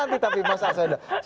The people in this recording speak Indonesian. kita akan bahas itu nanti